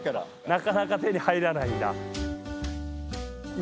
なかなか手に入らないんだ。